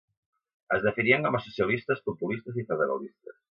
Es definien com a socialistes, populistes i federalistes.